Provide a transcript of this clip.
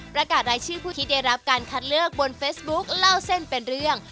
ประกาศรายชื่อผู้ที่ได้รับการคัดเลือกบนเฟซบุ๊คเล่าเส้นเป็นเรื่อง